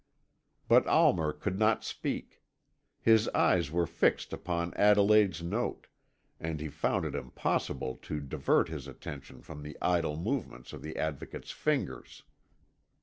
But Almer could not speak. His eyes were fixed upon Adelaide's note, and he found it impossible to divert his attention from the idle movements of the Advocate's fingers.